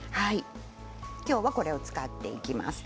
きょうはこちらを使っていきます。